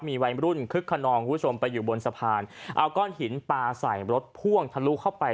มีวัยรุ่นคึกขนองคุณผู้ชมไปอยู่บนสะพานเอาก้อนหินปลาใส่รถพ่วงทะลุเข้าไป